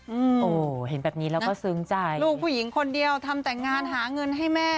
อืมโอ้เห็นแบบนี้แล้วก็ซึ้งใจลูกผู้หญิงคนเดียวทำแต่งงานหาเงินให้แม่